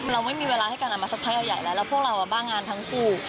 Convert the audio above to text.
เราไม่มีเวลาให้กันเอามาสักพักใหญ่แล้วแล้วพวกเราบ้างานทั้งคู่